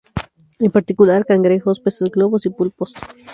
En particular cangrejos, peces globo y pulpos.